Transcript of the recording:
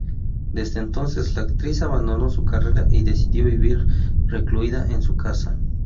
Desde entonces, la actriz abandonó su carrera y decidió vivir recluida en su casa.